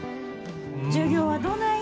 授業はどない？